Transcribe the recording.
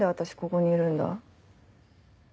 ここにいるんだ？